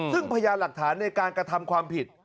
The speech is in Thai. ซึ่งพยานหลักฐานในการกระทำความผิด